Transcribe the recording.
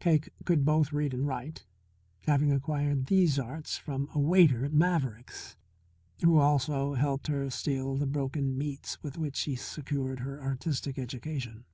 Cake could both read and write, having acquired these arts from a waiter at Maverick's, who also helped her steal the broken meats with which she secured her artistic education.